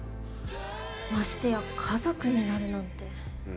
ましてや家族になるなんて。